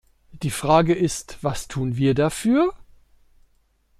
Die Frage ist, was tun wir dafür?